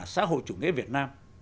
xã hội chủ nghĩa việt nam